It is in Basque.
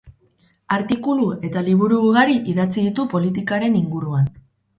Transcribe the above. Artikulu eta liburu ugari idatzi ditu politikaren inguruan.